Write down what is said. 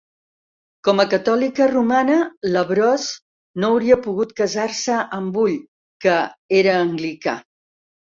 Com a catòlica romana, LaBrosse no hauria pogut casar-se amb Bull, que era anglicà.